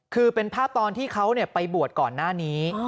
คือเป็นภาพตอนที่เขาไปบวชก่อนหน้านี้